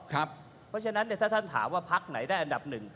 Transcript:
เพราะฉะนั้นถ้าท่านถามว่าพักไหนได้อันดับหนึ่ง